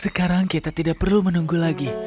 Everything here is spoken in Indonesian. sekarang kita tidak perlu menunggu lagi